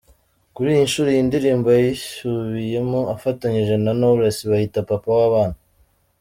Kuri iyi nshuro iyi ndirimbo yayiysubiyemo afatanyije na Knowless bayita Papa wabana.